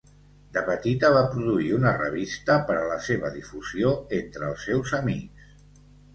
De petita va produir una revista per a la seva difusió entre els seus amics.